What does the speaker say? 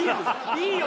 いいよ。